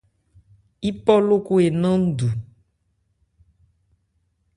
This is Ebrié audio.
Yípɔ lókɔn e nán ndu.